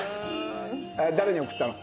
誰に送ったの？